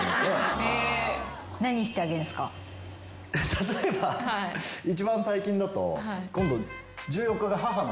例えば一番最近だと今度。